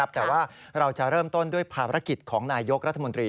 แต่ว่าเราจะเริ่มต้นด้วยภารกิจของนายยกรัฐมนตรี